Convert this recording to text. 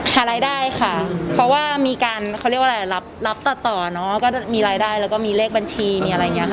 หารายได้ค่ะเพราะว่ามีการเอาเรียกว่าแล้วแหล่ะรับต่อต่อเนาะมีรายได้แล้วก็มีเลขบัญชีมีอะไรเงี้ยค่ะ